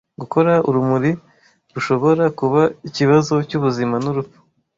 Gukora urumuri rushobora kuba ikibazo cyubuzima nurupfu.